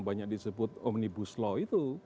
banyak disebut omnibus law itu